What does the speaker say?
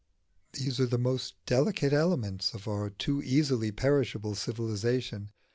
These are the most delicate elements of our too easily perishable civilisation.